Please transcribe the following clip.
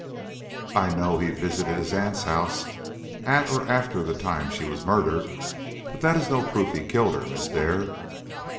"I know he visited his aunt's house at or after the time she was murdered, but that is no proof he killed her, Miss Dare."